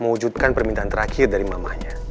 mewujudkan permintaan terakhir dari mamanya